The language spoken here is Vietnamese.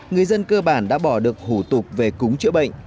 người dân cơ bản đã bỏ được hủ tục về cúng chữa bệnh